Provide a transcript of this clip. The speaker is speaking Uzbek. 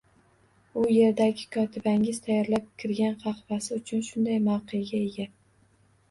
U yerdagi kotibangiz tayyorlab kirgan qahvasi uchun shunday mavqega ega